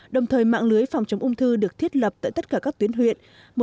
đồng thời mạng lưới phòng chống ung thư được thiết lập tại tất cả các tuyến huyện